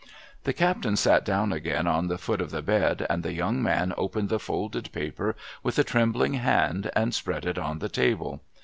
The captain sat down again on the foot of the bed, and the young man opened the folded paper with a trembling hand, and si)rcad it on the tal)le.